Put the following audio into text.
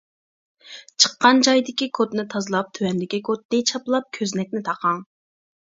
چىققان جايدىكى كودنى تازىلاپ تۆۋەندىكى كودنى چاپلاپ كۆزنەكنى تاقاڭ.